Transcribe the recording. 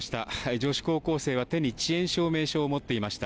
女子高校生は手に遅延証明書を持っていました。